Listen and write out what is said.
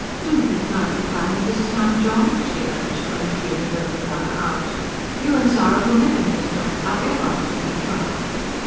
"DO be guided by me this time, John," she urged, when she had heard her brother out: "You and Zara will never hit it off, however often you try."